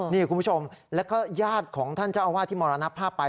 นี่คุณผู้ชมแล้วก็ญาติของท่านเจ้าอาวาสที่มรณภาพไป